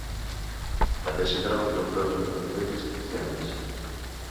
També s'hi troben nombroses esglésies cristianes.